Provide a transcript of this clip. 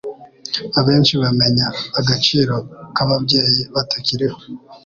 abenshi bamenya agciro kababyeyi batakiriho